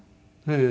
ええ。